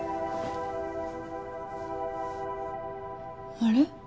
あれ？